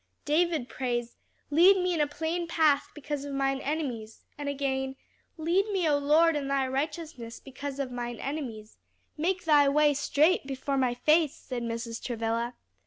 "David prays, 'Lead me in a plain path because of mine enemies'; and again, 'Lead me, O Lord, in thy righteousness because of mine enemies, make thy way straight before my face,'" said Mrs. Travilla.